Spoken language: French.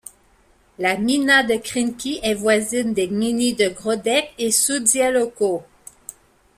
La gmina de Krynki est voisine des gminy de Gródek et Szudziałowo.